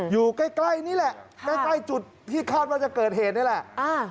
อยู่ใกล้นี่แหละใกล้ใกล้จุดที่คาดว่าจะเกิดเหตุนี่แหละ